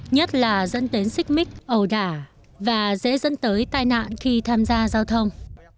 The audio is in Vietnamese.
nhất là dẫn đến xích mít ẩu đả và dễ dẫn tới tai nạn khi tham gia giao thông